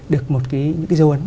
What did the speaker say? được một cái dấu ấn